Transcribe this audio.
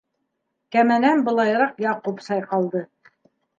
Кәмәнән былайыраҡ Яҡуп сайҡалды.